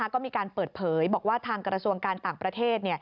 ก็มีการเปิดเผยบอกว่าทางกระทรวงการต่างประเทศ